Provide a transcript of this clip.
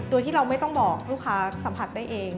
โดยที่เราไม่ต้องบอกลูกค้าสัมผัสได้เอง